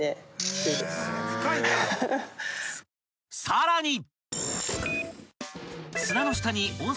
［さらに］